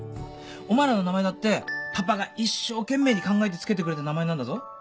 お前らの名前だってパパが一生懸命に考えて付けてくれた名前なんだぞ。